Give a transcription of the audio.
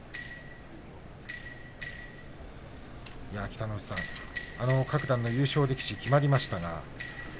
北の富士さん各段の優勝力士が決まりました。